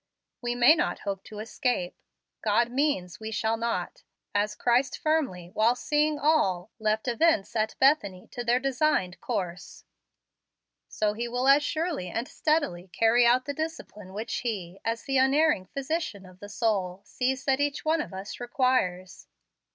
We may not hope to escape. God means we shall not. As Christ firmly, while seeing all, left events at Bethany to their designed course, so He will as surely and steadily carry out the discipline which He, as the unerring physician of the soul, sees that each one of us requires.